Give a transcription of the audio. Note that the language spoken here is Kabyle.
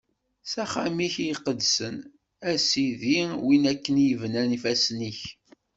S axxam-ik iqedsen, a Sidi, win akken i bnan ifassen-ik.